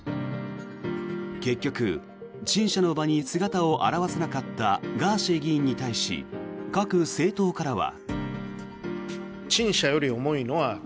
結局、陳謝の場に姿を現さなかったガーシー議員に対し各政党からは。